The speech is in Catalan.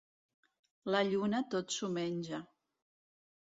La lluna tot s'ho menja.